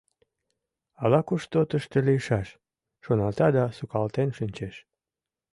«Ала-кушто тыште лийшаш! — шоналта да сукалтен шинчеш.